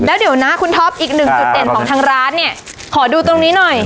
แล้วเดี๋ยวนะคุณท็อปอีกหนึ่งจุดเด่นของทางร้านเนี่ยขอดูตรงนี้หน่อย